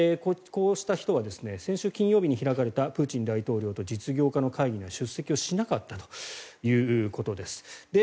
こうした人は先週金曜日に開かれたプーチン大統領と実業家の会議に出席しなかったということです。